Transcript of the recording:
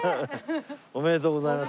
おめでとうございます。